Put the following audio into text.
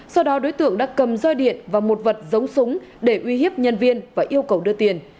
sau đó đối tượng đã cầm roi điện và một vật giống súng để uy hiếp nhân viên và yêu cầu đưa tiền